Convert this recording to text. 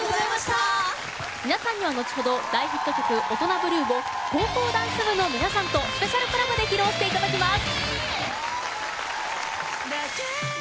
皆さんには後ほど大ヒット曲「オトナブルー」を高校ダンス部の皆さんとスペシャルコラボで披露していただきます。